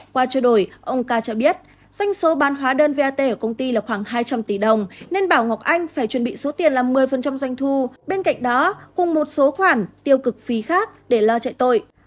qua trao đổi ông ca cho biết doanh số bán hóa đơn vat ở công ty là khoảng hai trăm linh tỷ đồng nên bảo ngọc anh phải chuẩn bị số tiền là một mươi doanh thu bên cạnh đó cùng một số khoản tiêu cực phí khác để lo chạy tội